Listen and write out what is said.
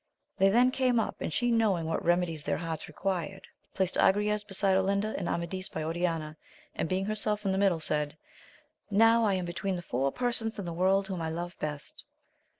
They then came up, and she knowing what remedies their hearts required, placed Agrayes beside Olinda and Amadis by Oriana, and being herself in the middle, said, Now am I between the four persons in the world whom I love best.